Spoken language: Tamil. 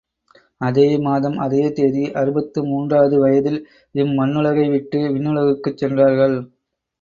அதே மாதம், அதே தேதி, அறுபத்து மூன்றாவது வயதில் இம்மண்ணுலகைவிட்டு, விண்ணுலகுக்குச் சென்றார்கள்.